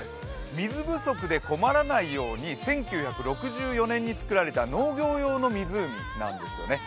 水不足で困らないように１９６４年につくられた農業用の湖なんですね。